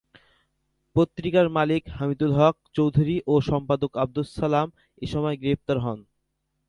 পত্রিকার মালিক হামিদুল হক চৌধুরী ও সম্পাদক আবদুস সালাম এসময় গ্রেফতার হন।